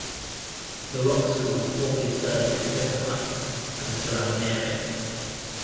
The Rock School formerly served Dakota Heights and the surrounding area.